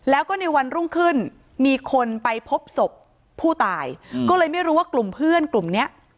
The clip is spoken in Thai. แล้วก็ในวันรุ่งขึ้นมีคนไปพบศพผู้ตายก็เลยไม่รู้ว่ากลุ่มเพื่อนกลุ่มเนี้ย